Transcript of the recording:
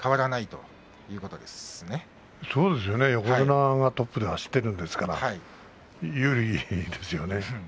そうですよね横綱がトップで走っているんですから有利ですよね。